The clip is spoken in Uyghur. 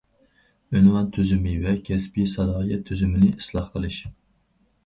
ئۇنۋان تۈزۈمى ۋە كەسپىي سالاھىيەت تۈزۈمىنى ئىسلاھ قىلىش.